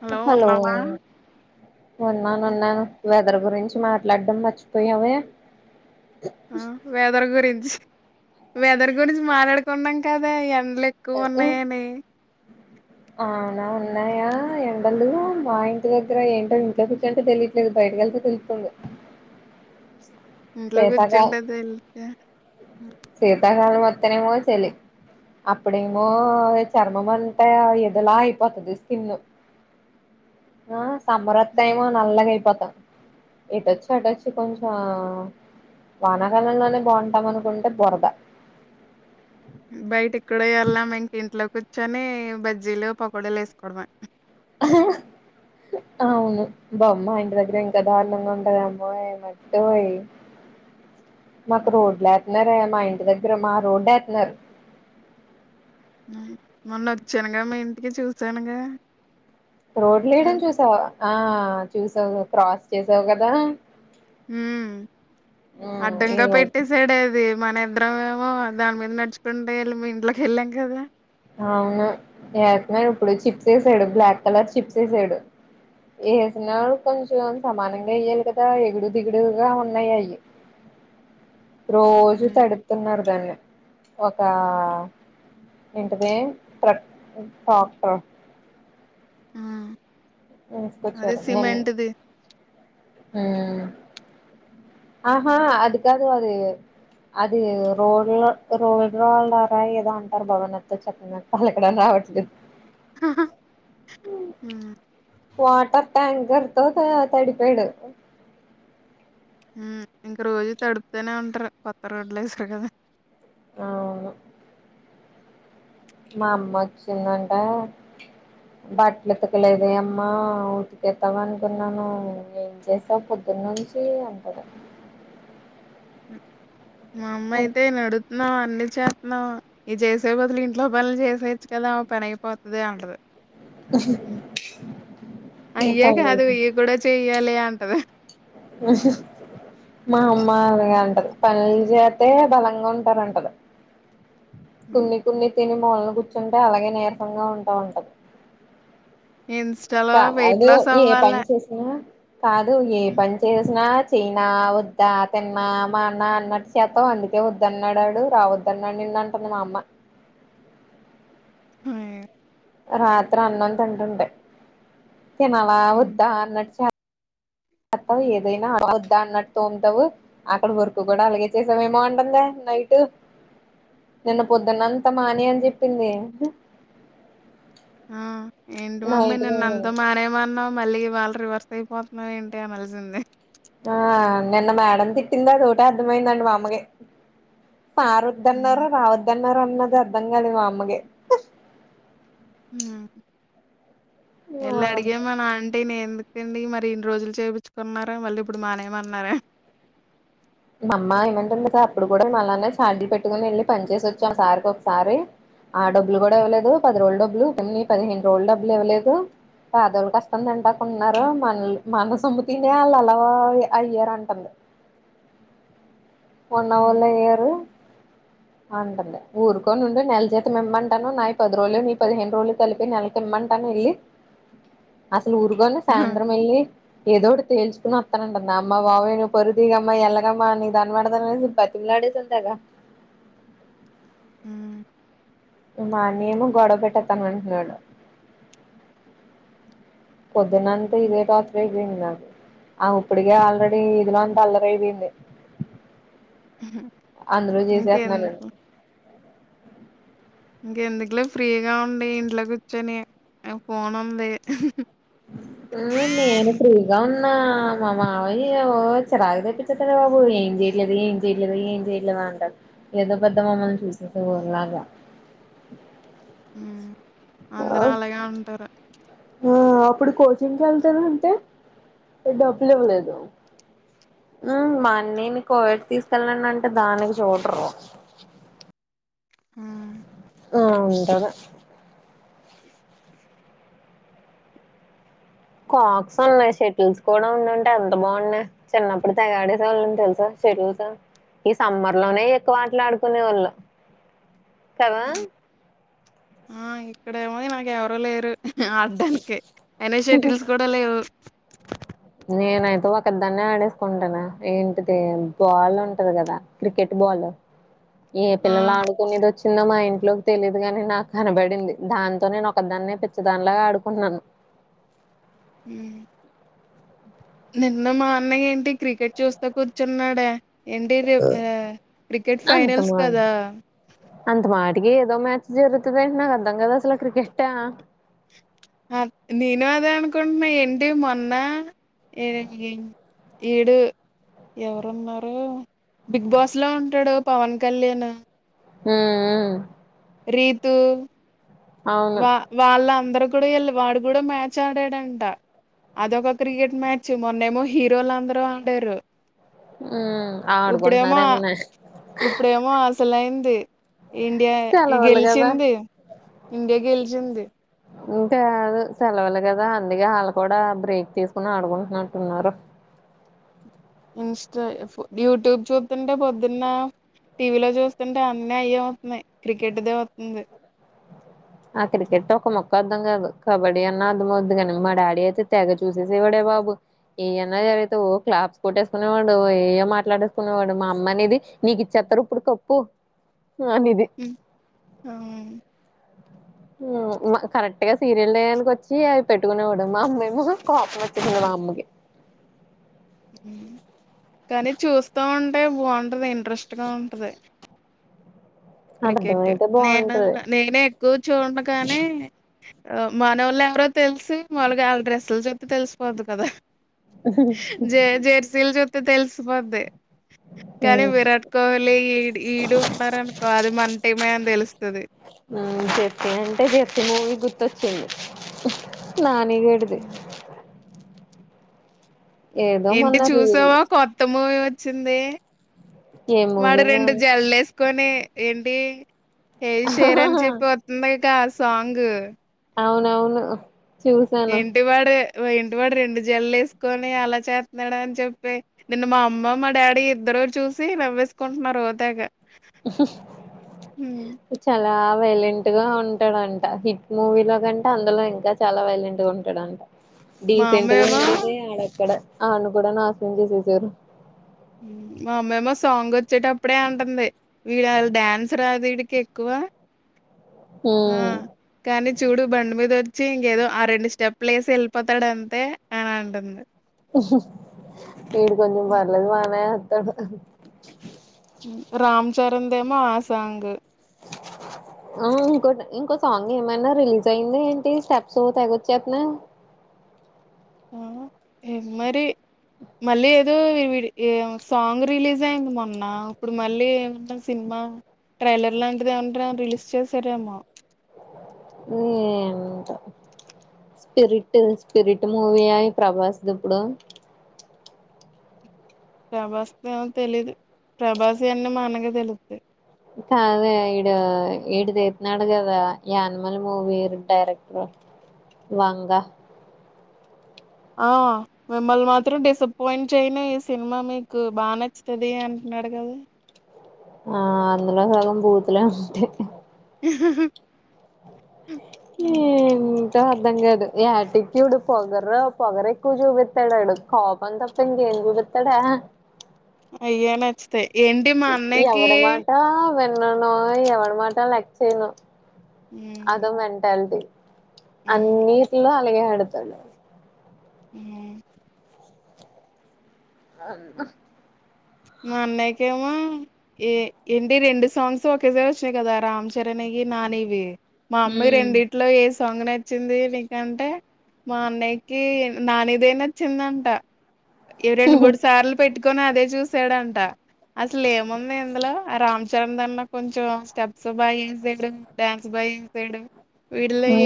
Hello ఉన్నావా ఉన్నాను ఉన్నాను వెదర్ గురించి మాట్లాడడం మర్చిపోయావ ఆ వేదరు గురించి వెదర్ గురించి మాట్లాడ ఉన్నాం కదా ఎ లు ఎక్కువ ఉన్నాయేమ అవునా ఉన్నాయా ఎండలు మా ఇంటి దగ్గర ఏంటో ఇంట్లో కూర్చుంటే తెలియట్లేదు బయటకి వెళ్తే తెలుతుంది ఇలోగాచ్చంటది ఎ సీతాకాలం మొత్తనేేమో చెలి అప్పుడేమో చర్మం అంతా ఏదోలా అయిపోతది స్కిన్ ఆ సమ్మర్ హ్మ్. వత్తనేమో నల్గగా అయిపోత ఎటొచ్చి అటొచ్చి కొంచెం వానకాలంగానే బాగుంటాం అనుకుంటే బురద బయట ఇక్కడో వెళ్ళాం ఇంక ఇంట్లో కూర్చొని బజ్జీలు పకోడలు వేసుకోవడమ అవును బామ్మ ఆ ఇంటి దగ్గర ఇంకా దారుణంగా ఉంటద అమ్మో ఏమట్టుయి మకు హ్మ్. రోడ్లు ఎతునరే మా ఇంటి దగ్గర మా రోడ్ ఎతన్నారు మొన్న వచ్చానుగా మీ ఇంటికి చూసానుగా రోడ్ లేయడం అది చూసావా ఆ చూసావు క్రాస్ చేసావు కదా హ ఉమ్ ఈ అడ్డంగా రోజు పెట్టేసడేది మన ఇద్దరం ఏమో దాని మీద నడుచుకుంటే వెళ్ళి మీ ఇంట్లోకి వెళ్ళాం కదా అవును వస్తున్నాడు ఇప్పుడు చిప్స్ వేసాడు బ్లాక్ కలర్ చిప్స్ వేసాడు వేసినడు కొంచెం సమానంగా వయాలి కదా ఎగుడు దిగుడుగా ఉన్నాయి అవి రోజు హ్మ్. తడుతున్నారు దాన్ని ఒక ఏంటది ప్ర క్టర్ ఆ అది తీసుకొచ్చారు నిన్ సిమెట్ది ఆహా అది కాదు అది అది రోడ్ల రోడ్ రోళార ఏదో అంటారు భవన్తో చెక్కన పలగడం రావట్లేదు హ్మ్. వాటర్ ట్యాంకర్ తో తడిపోడు ఓ ఇంకా రోజు తడుపుతూనే ఉంటారు కొత్త రోడ్లు వేస్తారు కదా అవును మా అమ్మ వచ్చిందంట బట్టలుతకలేదు అమ్మ ఉతికెత్తాం అనుకున్నాను ఏం చేసావు పొద్దున్న నుంచి అంటారు హ్మ్. మా అమ్మయితే నడుతు న్నా అన్ని చేస్తున్నావు ఇ చేసే బదులు ఇంట్లో పనులు చేసేయచ్చు కదా పనైపోతది అంటది ఈ అయ్యే పనులు కాదు ఇయ కూడా చెయ్యాలి అంటది మా అమ్మ అలగా అంటది పని చేతే బలంగా ఉంటారంటది హ్మ్. కొన్ని కొన్ని తిన మొళలు కూర్చుంటే అలాగే నేరసంగా ఉంటా ఉంటది ఇన్‌స్టాలో అద వెయిట్ లాస్ ఏ అవ్వాల. పని చేసిన కాదు ఏ హ్మ్. పని చేసినా చీనా వద్ద తిన్న మా అన్న అన్నటు చేతం అందుకే వద్దని అడాడు రావద్దన్నాడు నిన్న అంటును మా అమ్మ ఆ రాత్రి అన్నం తంటంట నాాల హ్మ్. వద్ద నచ అత్తా ఏదైనా అ పొద్దా అన్నట్టు తోముతావు అక్కడ వర్క్ కూడా అలాగే చేసామేమో ఉంటుంద నైట్ నిన్న పొద్దున్నంత మాని అని చెప్పింది ఆ ఏంటి మమ్మీ నైట్ కి నిన్న అంతా మారేమన్నా మళ్ళీ వాళ్ళు రివర్స్ అయిపోతున్నారు ఏంటి అ మలిసిందే ఆ నిన్న మేడం తిట్టిందా అ తోటే అర్థమైందండి మామగ మారు హ్మ్. వద్దన్నారు రావద్దన్నారు అన్న అన్నది అర్థం కలి మా అమ్మగే ఆ ఎలా అడిగమ్మ నా ఆంటీ న ఎందు ండి మరి ఇన్ని రోజులు చేపంచుకున్నారా మళ్ళీ ఇప్పుడు మానేమన్నారా మా అమ్మ ఏమంట ఉంది కదా అప్పుడు కూడా మళ్నే చాల్ీ పెట్టి పట్టుకుని వెళ్ళి పని చేేసి వచ్చాం ఆసారికి ఒకసారి ఆ డబ్బులు కూడా ఇవ్వదు పది రోు డబ్బులు కొన్ని పదిహేను రోజులు డబ్బులు ఇవ్వలేదు పాద రోజులు కస్తందంట ఉన్నారు హ్మ్. మనలు మన సొమ్ము తిన వాళ్ళు అలావా అయ్యారంటుంది వన్ హ్మ్. హవర్లా ఏయరు అంటండి ఊరుకోనిండి నెల చేత ఇమ్మంటాను నా పది రోజులు నీ పదిహేను రోజులు కలిపి నెలకిమ్మంటాను వెళ్ళి అసలు ఊరుగానే ఆహా! సాయంత్రం వెళ్ళి ఏదోటి తేల్చకకుని వస్తానండి అ అమ్మా బావే పరుదిగమ్మా ఎల్లగమ్మా అని మడ పటిలడంతాగా ఆ మాన్యము గడవ పెట్టతా మనుషళ పద్ద్దన అంత ఇద తాత్ర ది నాకు ఆ ఇప్పుటికే ఆల్రెడీ ఇదిలో అంత అల్లరైపోయింది హ్మ్. అందురూ చేసేస్తున్నారుడి ఇంకెందుకు, ఇంకెందుకులో ఫ్రీగా ఉండి ఇంట్లో కూర్చొని ఫోన్ ఉంది ఆ నేను ఫీగా ఉ నా మా మావయ చెరాగ తెప్పించట బాబు ఏం చేయట్లేదు ఏం చేయలేదు ఏం చేయలేదు అంటారు ఏదో పెద్ద మమ్మల్ని చూసేస ఊరలాగా ఆ అందరూ అలాగే ఉంటారు అప్పుడు కోచింగ్కి వెళ్తానంటే డబ్బులు ఇవ్వలేదు మాన్నిేను కోవిడ్ తీసుకెళ్ళన అంటే దానికి చూడరు ఆ ఆ ఉంటగా కాక్స్ ఉన్నాయి షటిల్స్ కూడా ఉన్నాంటే ఎంత బాగున్నాయి్ చిన్నప్పుడు తెగాడేసేవాళ్ళం తెలుసా షెటిల్స్ ఈ సమ్మర్ లోనే ఎక్కువట్లు ఆడుకునే వాళ్ళు కావా ఇక్కడ ఏమంది నాకు ఎవరో లేరు ఆడడానినికి అయినా షర్టిల్స్ కూడా లేవు నేనైతే ఒక దాన్నే ఆడేసుకుంటాను ఏంటిది బాల్ ఉంటంది కదా క్రికెట్ బాల్ ఏ ఆ! పిల్లలు ఆడుకునేది వచ్చిందో మా ఇంటి ఇట్లోకి తెలియదు కాగాని నాకు కనబడింది దాంతో నేను ఒకదాన్నే పిచ్చదానిలాగా ఆడుకున్నాను హ నిన్న మా అన్నయ్య ఏంటి క్రికెట్ చూస్తే కూర్చున్నాడా ఏంటి ర క్రికెట్ అంత ఫైనల్స్ కదా అటిక ఏదో మ్యాచ్ జరుతుందంట నా అందంగాదా అసలు క్రికెట్ నేను అదే అనుకుంటున్నా ఏంటి మొన్న ఈడు ఎవరు ఉన్నారు బిగ్ బాస్ లో ఉంటాడు పవన్ కళ్యాణ హ రీతు అవును వా వాళ్ళ అందరు కూడా వెళ్ళ వాడు కూడా మ్యాచ్ ఆడాడంట అదొక క్రికెట్ మ్యాచ్ మొన్నేమో హీరోలు అందరూ ఆడారు ఉమ్ ఇప్పుడమ ఆడుకుంటున్నారేమోనే ఇప్పుడమ అసలయింది ఇండియా ఈ సెలవులు కదా గెలిచింది ఇండియా గెలిచింది ఇంకాేదు సెలవులే కదా అందుకే వాళ్ళు కూడా బ్రేక్ తీసుకుని ఆడుకుంటున్నట్టున్నారు ఇన్స్టా యూట్యూబ్ చూస్తుంటే పొద్దున్న టీవీలో చూస్తుంటే అన్నీ అయే అవుతున్నాయి క్రికెట్దే అతుంది ఆ క్రికెట్ ఒక మొక్క అర్థం కాదు కబడ్డీ అన్నా అర్థమ అద్దు కానీ మా డాడీ అయితే తెగ చూసేసేవాడే బాబు ఏ అన్నా జరుగుతవో క్లాబ్స్ కొట్టేసుకునేవాడు ఏ మాట్లాడేసుకునేవాడు మా అమ్మ అనేది నీకు ఇచ్చేస్తారు ఇప్పుడు కప్పు అనేది అ కరెక్ట్ గా సీరియల్ వేయనికి వచ్చి అవి పెట్టుకునే కూడాడు మా అమ్మేమ కాపం వచ్చింది మా అమ్మకి కానీ చూస్తా ఉంటే బాగుంటది ఏ ట్రస్ట్ గా ఉంటది అది క్రికెట్ అర్థమైతే నేను బాగుంటది నేనే ఎక్కువ చూడి కానే మానవాళ్ళ ఎవరో తెలిసి మాలుగా వాళ్ళ డ్రెస్సుల చ తెలిసిపోద్దు కదా జ జర్సిల్ చ తె తెల్సిపోద్ది కానీ విరాట్ కోహ్లీ ఈడ్ ఈడుంటారను ఆ చెప్పిఅంటే చెప్పినాను గుర్తొచ్చింది మ్ నా నీగేడిది ఏంటి మొన్న రీల్ చూసావా కొత్త మూవి వచ్చింది ఏ వాడు మూవీనా రెండు జల్లేస్ కొని ఏంటి ఏది షేర్ అని చెప్పి ఒస్తుంది ఇంకా సాంగు అవునవును చూసాను ఏంటి వాడు ఏంటి వాడు రెండు జల్లు వేసుకొని అలా చేస్తున్నాడు అని చెప్పి, నిన్న మా అమ్మ మా డాడీ ఇద్దరు చూసి నవ్వేసుకుంటున్నారు ఓతేగ చాల వైలెంట్ గా ఉంటాడంట హిట్ మూవీ లో కంటే అందులో ఇంకా చాలా వైలెంట్ గా ఉంటాడంట. మా డీసెంట్గా అమ్మేమో ఉండేదే ఆడక్కడ ఆళ్ళు కూడా నాశనం చేసేశారు మా అమ్మేమో సాంగ్ వచ్చేటప్పుడే అంటుంది. వీడు వాళ డాన్స్ రాదు వీడికి ఎక్కువ ఆ ఉమ్ కానీ చూడు బండి మీద వ చ్చి ఇంకేదో ఆ రెండు స్టెప్లు వేసి వెళ్ళిపోతాడు అంతే అని అంటుంది. వీడు కొంచం వర్లేదు బానే తడు రామ్ చరణ్ దేమో ఆసాంగ్ ఉమ్ ఇంకోటి ఇంకో సాంగ్ ఏమైనా రిలీజ్ అయింది ఏంటి, స్టెప్స్ ఓ తెగొచ్చేస్తున్నాయి. మరి మళ్ళీ ఏదో ఈ విడి సాంగ్ రిలీజ్ అయింది మొన్న. ఇప్పుడు మళ్ళీ ఏమ సినిమా ట్రైలర్ లాంటిది ఏమంటే రిలీజ్ చేశారేమో, ఉమ్మ్ ఏంటో స్పిరిట్ స్పిరిట్ మూవీ అవి ప్రభాస్ ది ఇప్పుడు ప్రభాస్ తెలీదు ప్రభాసి అన్ని మా అన్నకె తెలుస్తాయి కాదే ఈడు ఈడుదితున్నాడు కదా, యానిమల్ మూవీ డైరెక్టర్ వంగ ఆ మిమ్మల్ని మాత్రం డిసప్పయింట్ చేయనే, ఈ సినిమా మీకు బాగా నచ్చుతది అంటున్నాడు కదా. ఆ అందులో సగం బూతులే ఉంటాయి ఆ హ [inaudible] ష్టం అర్థం కాదు, యాటిట్యూడ్ పొగరు పొగరు ఎక్కువ చూపిస్తాడాడు కోపం తప్ప ఇంకేం చూపిస్తాడు ఆ అయ్యనచ్ [inaudible] తాయి ఏంటి మా అన్నయకి, న్నాను, ఎవడ మాట లెక్ చేయ్యను అదో హ్మ్ మెంటాలిటీ హ్మ్ అన్నిట్లో అలాగే ఆడతాడు ఉమ్ ఆన్ [inaudible] మా అన్నయ్యకేమో ఏ ఏంటి రెండు సాంగ్స్ ఒకే సారి వచ్చినాయి కదా రామ్ చరణ్ వి నాని వి మా అమ్మ రెండిట్లో ఏసి సాంగ్ నచ్చింది నీ, మా అన్నయ్యకి నానిదే నచ్చిందంట. ఇవి రెండు మూడు సార్లు పెట్టి ఇ అదే చూసి చెడంట అసలు ఏముంది ఇందులో ఆ రామ్ చరణ్ దన్న కొంచెం స్టెప్స్ బాగా చేసాడు డ్యాన్స్ బాగా చేసాడు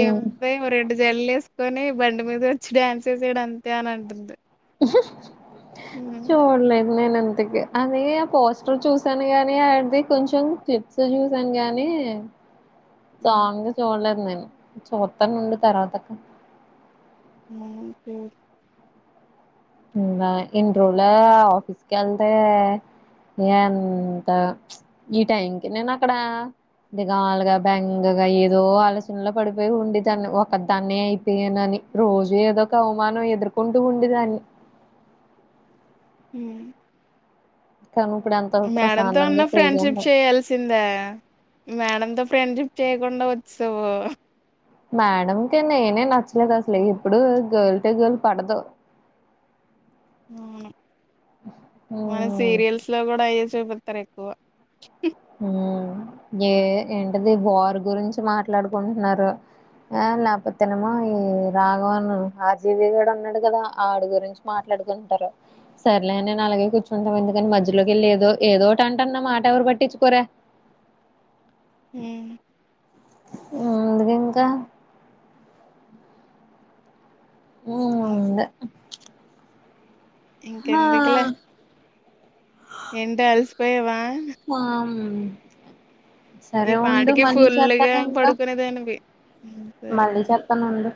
ఉమ్ జల్ వేసుకొని బండి మీద వచ్చి డ్యాన్స్ వేశాడు అంతే అని అంటుంది హ్మ్. జోర్లే నేను ఇంతకి అలాే ఆ పోస్టర్ చూసాను గాని ఆడిది కొంచెం క్లిప్స్ చూసాను గాని హ్మ్. చాగా చూడలే నేన్ చూస్తానుండు తర్వాత అక్క మన జరు ఇ ఎన్ని రోజుల ఆఫీస్ క వెళ్తే అంత ఈ టైం కి నేను అక్కడ దిగాలుగా బెంగగా ఏదో ఆలోచనలో పడిపోయి ఉండి దాన్ని ఒక దాన్న అయిపోయానుని రోజు ఏదో ఒక అవమానం ఎదుర్కొంటూ ఉండేదాన్ని హ కానీ ఇప్పుడు ఎంతో మేడమ్ తో అన్న ప్రశాంతంగా ఫ్రీగా ఉండ ఫ్రెండ్షిప్ చేయాల్సిందా మేడమ్ తో ఫ్రెండ్షిప్ చేయగొండ ఉత్సవ మేడకిే నేనే నచ్చలేదు అసలు ఇప్పుడు గర్ల్ టు గర్ల్ పడదు అవును మన ఉమ్, సీరియల్స్ లో కూడా అయే శూపతకువ హ ఏ ఏంటది వారు గురించి మాట్లాడుకుంటున్నారు ఆ లేకపోతేనేమో ఈ రాఘవన్ ఆజీవి గడు ఉన్నాడు కదా ఆడి గురించి మాట్లాడుకుంటారు సరలే నేను అలాగే కూర్చుంటాము ఎందుకని మధ్యలోకి వెళ్ళ ఏదో ఏదోటి అంటున్న మాట ఎవరు పట్టిు పొర హ అందుకు ఇంకా ఉ అదా ఇంకా హా, ఎంతకులే ఎంట అలస్పోయవా ఉ సరే ఉండు మళ్ళీ ఫుల్గా చేత్తాను ఇంకా పడుకునేదానివి ఉమ్, సరే మళ్ళీ చేత్తాను ఉండు